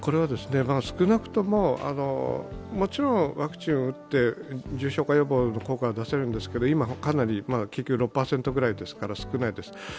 少なくとも、もちろんワクチンを打って重症化予防の効果は出せるんですけど今は６％くらいですから、かなり少ないです。